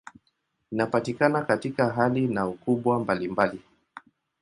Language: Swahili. Inapatikana katika hali na ukubwa mbalimbali.